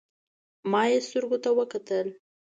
ما يې سترګو ته وکتل.